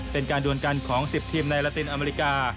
เป็นการดวนกันของ๑๐ทีมในลาตินอเมริกา